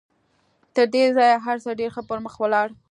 تر دې ځايه هر څه ډېر ښه پر مخ ولاړل.